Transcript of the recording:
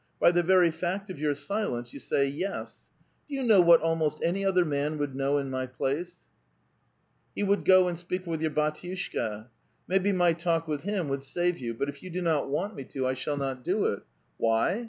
By the very fact of your silence you say ' yes.* Do you know what ahnost any other man would know in my place ? He would go and speak with your bdtiushka. Maybe my talk with him would save you ; but if you do not want me to, I shall not do it. Why